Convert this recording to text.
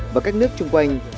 và các nước chung quanh